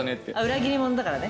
裏切り者だからね。